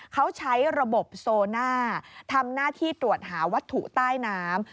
เขาใช้ระบบโซน่าทำหน้าที่ตรวจหาวัตถุใต้น้ำ